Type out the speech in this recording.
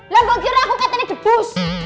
lombong kira aku katanya debus